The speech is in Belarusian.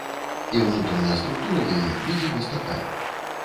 І ўнутраная структура яе будзе вось такая.